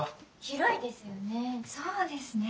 広いですよね。